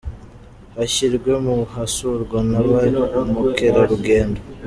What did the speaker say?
hashyirwe mu hasurwa na ba mukerarugendo.